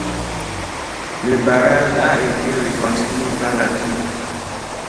Le barrage a été reconstruit par la suite.